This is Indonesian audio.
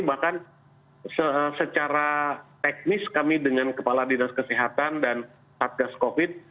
bahkan secara teknis kami dengan kepala dinas kesehatan dan pak gas covid sembilan belas